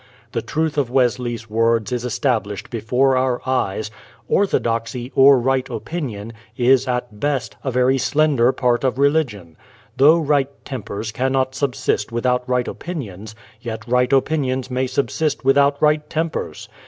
The truth of Wesley's words is established before our eyes: "Orthodoxy, or right opinion, is, at best, a very slender part of religion. Though right tempers cannot subsist without right opinions, yet right opinions may subsist without right tempers.